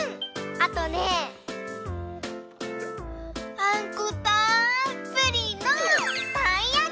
あとねあんこたっぷりのたいやき！